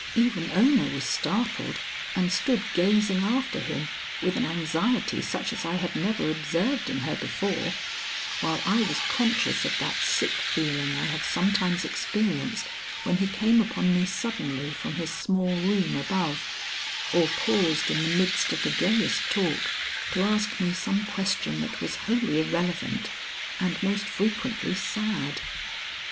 Even Ona was startled and stood gazing after him with an anxiety such as I had never observed in her before, while I was conscious of that sick feeling I have sometimes experienced when he came upon me suddenly from his small room above, or paused in the midst of the gayest talk, to ask me some question that was wholly irrelevant and most frequently sad.